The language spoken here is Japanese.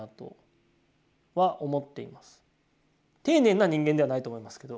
丁寧な人間ではないと思うんですけど